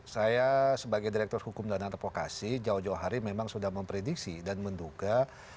saya sebagai direktur hukum dan advokasi jauh jauh hari memang sudah memprediksi dan menduga